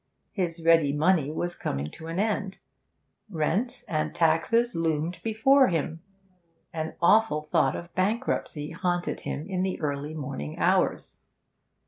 His ready money was coming to an end, rents and taxes loomed before him. An awful thought of bankruptcy haunted him in the early morning hours.